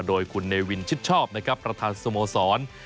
โดยคุณเนวินชิดชอบนะครับประธานสโมสร